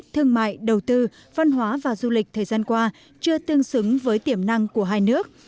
thương mại đầu tư văn hóa và du lịch thời gian qua chưa tương xứng với tiềm năng của hai nước